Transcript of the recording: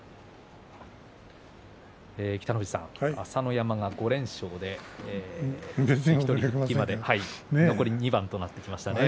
北の富士さん、朝乃山が５連勝で残り２番となってきましたね。